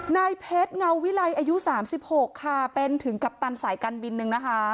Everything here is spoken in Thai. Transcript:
นายเพชรเงาวิลัยอายุ๓๖ค่ะเป็นถึงกัปตันสายการบินนึงนะคะ